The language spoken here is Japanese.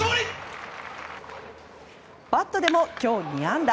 バットでも今日２安打。